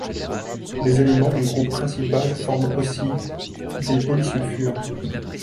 Les éléments du groupe principal forment aussi des polysulfures.